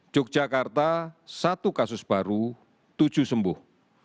yogyakarta satu kasus baru tujuh sembuh